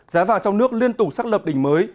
giá vàng trong nước liên tục xác lập đỉnh mới